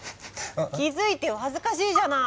気付いてよ恥ずかしいじゃない！